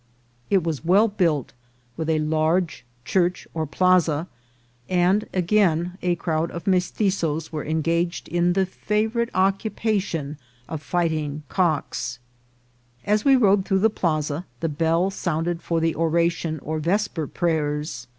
It was well built, with a large church or plaza, and again a crowd of Mestitzoes were engaged in the favourite occupation of fighting cocks. As we rode through the plaza the bell sounded for the oracion or vesper prayers.